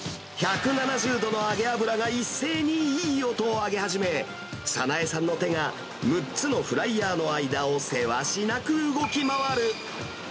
１７０度の揚げ油が一斉にいい音をあげ始め、早苗さんの手が６つのフライヤーの間をせわしなく動き回る。